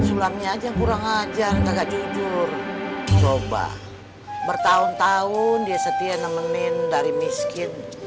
dia sulangnya aja kurang ajar kagak jujur coba bertahun tahun dia setia nemenin dari miskin